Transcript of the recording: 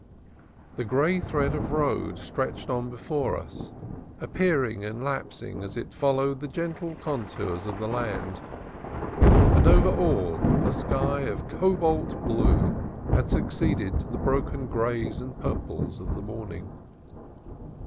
The gray thread of road stretched on before us, appearing and lapsing as it followed the gentle contours of the land ; and over all a sky of pure cobalt had succeeded to the broken grays and purples of the morning.